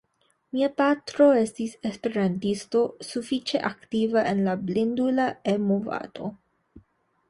Mia patro estis esperantisto, sufiĉe aktiva en la blindula E-movado.